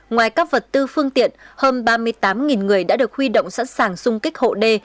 ngoài các vật tư phương tiện hơn ba mươi tám người đã được huy động sẵn sàng xung kích hộ đê